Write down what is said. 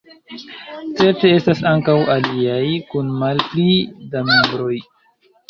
Certe estas ankaŭ aliaj, kun malpli da membroj.